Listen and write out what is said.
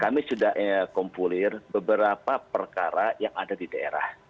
kami sudah kumpulir beberapa perkara yang ada di daerah